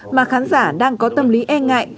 mà khán giả đang có tâm lý e ngại